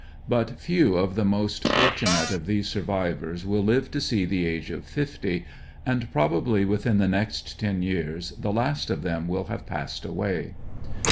But few of the most fortunate of these survivors will live to see the age of fifty, and probably withm the next ten years the last of them will have passed aw^ay.